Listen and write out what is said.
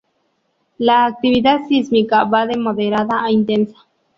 La actividad sísmica va de moderada a intensa.